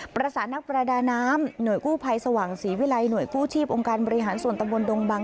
ประสานนักประดาน้ำหน่วยกู้ภัยสว่างศรีวิลัยหน่วยกู้ชีพองค์การบริหารส่วนตำบลดงบัง